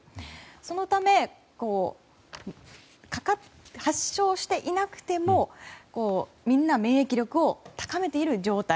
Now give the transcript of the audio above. そのため、発症していなくてもみんな免疫力を高めている状態。